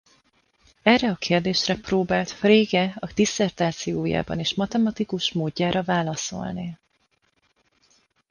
Erre a kérdésre próbált Frege a disszertációjában is matematikus módjára válaszolni.